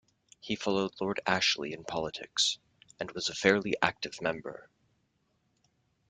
He followed Lord Ashley in politics, and was a fairly active member.